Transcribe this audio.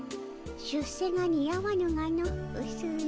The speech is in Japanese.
出世が似合わぬがのうすい。